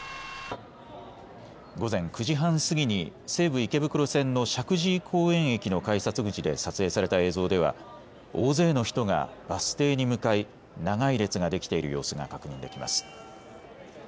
午前９時半過ぎに西武池袋線の石神井公園駅の改札口で撮影された映像では大勢の人がバス停に向かい、長い列ができている様子が確認できます。